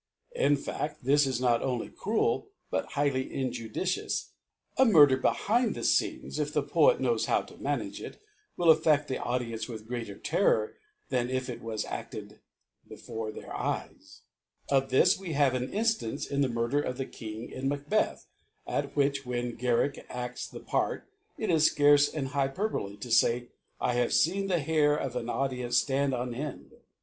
In faft, this is not only cruel, but highly injudicious: A Murder behind ' the Scenes, if the Poet knows how to manage it, will afieft the Audience with greater Terror than if it was afted before their Eyesr Of this we have an Inftance in Uie Murder of the King in Macbeth^ at which, when Garriek ads the Parr, it is Scarce an Hyperbole to fay, I have feen the Hair of the Audience ftand an End.